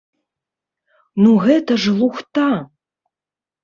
Ну гэта ж лухта!